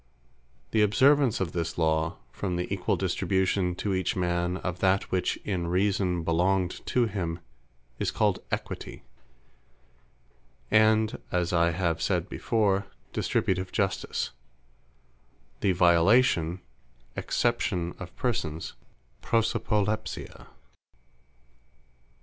The observance of this law, from the equall distribution to each man, of that which in reason belongeth to him, is called EQUITY, and (as I have sayd before) distributive justice: the violation, Acception Of Persons, Prosopolepsia.